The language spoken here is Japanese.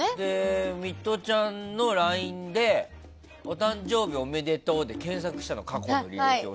ミトちゃんのＬＩＮＥでお誕生日おめでとうで検索したの、過去の履歴を。